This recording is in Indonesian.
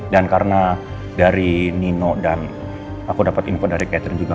dan karena dari nino dan aku dapat info dari catherine juga